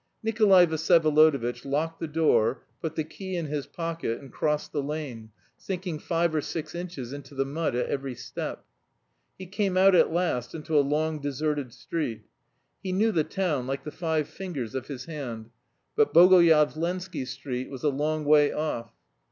Nikolay Vsyevolodovitch locked the door, put the key in his pocket, and crossed the lane, sinking five or six inches into the mud at every step. He came out at last into a long deserted street. He knew the town like the five fingers of his hand, but Bogoyavlensky Street was a long way off.